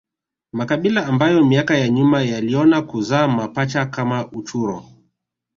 makabila ambayo miaka ya nyuma yaliona kuzaa mapacha kama uchuro